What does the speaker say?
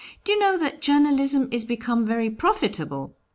Do you know that journalism is become very profitable?